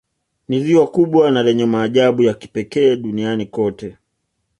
Ni ziwa kubwa na lenye maajabu ya pekee Duniani kote